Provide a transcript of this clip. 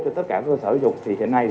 cho tất cả cơ sở dục thì hiện nay